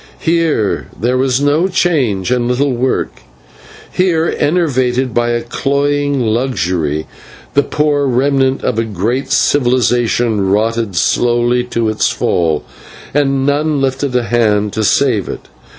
Here there was no change and little work; here, enervated by a cloying luxury, the poor remnant of a great civilisation rotted slowly to its fall, and none lifted a hand to save it.